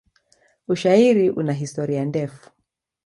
Ushairi una historia ndefu.